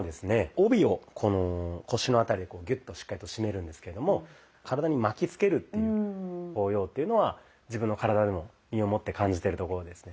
帯をこの腰の辺りでこうギュッとしっかりと締めるんですけども体に巻きつける効用っていうのは自分の体でも身をもって感じてるところですね。